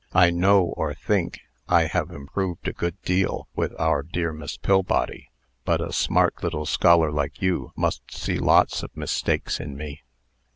I know, or think, I have improved a good deal with our dear Miss Pillbody; but a smart little scholar like you must see lots of mistakes in me."